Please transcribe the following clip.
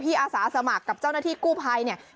อาสาสมัครกับเจ้าหน้าที่กู้ภัยเนี่ย